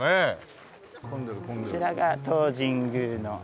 こちらが当神宮の。